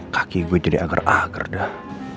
kaki gue jadi agar agar dah